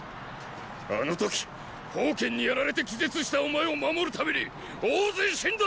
あの時煖にやられて気絶したお前を守るために大勢死んだんだぞ！